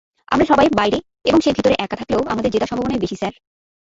আমরা সবাই বাইরে এবং সে ভিতরে একা থাকলেও আমাদের জেতার সম্ভাবনাই বেশী, স্যার।